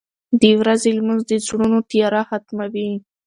• د ورځې لمونځ د زړونو تیاره ختموي.